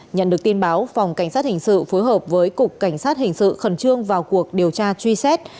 nhận được tin báo phòng cảnh sát hình sự phối hợp với cục cảnh sát hình sự khẩn trương vào cuộc điều tra truy xét